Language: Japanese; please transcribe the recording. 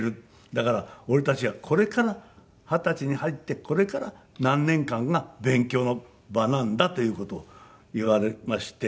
だから俺たちはこれから二十歳に入ってこれから何年間が勉強の場なんだという事を言われまして。